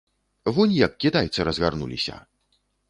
Вунь як кітайцы разгарнуліся!